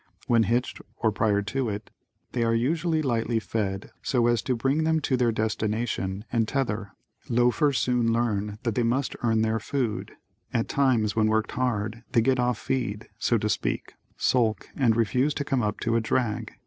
When hitched or prior to it, they are usually lightly fed so as to bring them to reach their destination and "Tether," loafers soon learn that they must earn their food. At times when worked hard, they get off feed, so to speak, sulk and refuse to come up to a drag.